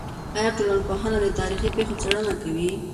آیا ټولنپوهنه د تاریخي پېښو څېړنه کوي؟